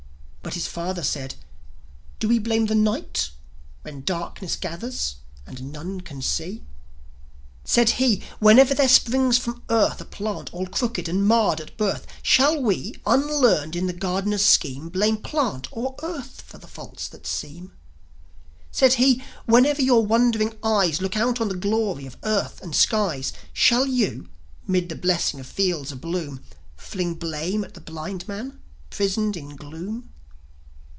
But the father said, "Do we blame the night When darkness gathers and none can see?" Said he: "Whenever there springs from earth A plant all crooked and marred at birth, Shall we, unlearned in the Gardener's scheme, Blame plant or earth for the faults that seem?" Said he: "Whenever your wondering eyes Look out on the glory of earth and skies, Shall you, 'mid the blessing of fields a bloom, Fling blame at the blind man, prisoned in gloom?"